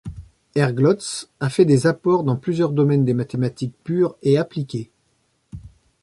Herglotz a fait des apports dans plusieurs domaines des mathématiques pures et appliquées.